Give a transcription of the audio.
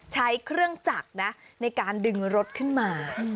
ใช้เครื่องจักรนะในการดึงรถขึ้นมา